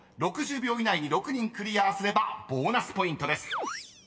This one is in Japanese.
６０秒以内に６人クリアすればボーナスポイントです］